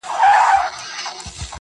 ستا د مستۍ په خاطر.